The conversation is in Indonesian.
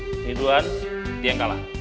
berdua dia yang kalah